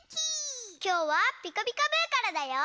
きょうは「ピカピカブ！」からだよ。